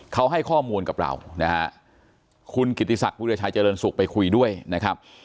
เขาให้ข้อมูลกับเรานะฮะคุณกิติศักดิราชัยเจริญสุขไปคุยด้วยนะครับ